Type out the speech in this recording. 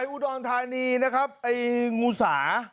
อุดรธานีนะครับไอ้งูสา